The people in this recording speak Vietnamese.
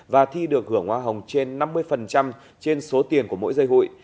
và thi được hưởng hoa hồng trên năm mươi trên số tiền của mỗi dây hụi